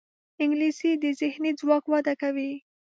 انګلیسي د ذهني ځواک وده کوي